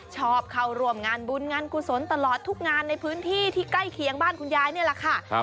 ชอบเข้าร่วมงานบุญงานกุศลตลอดทุกงานในพื้นที่ที่ใกล้เคียงบ้านคุณยายนี่แหละค่ะ